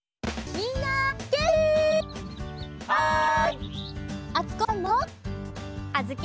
みんなげんき？